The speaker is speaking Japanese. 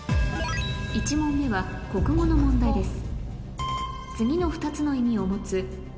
１問目はの問題です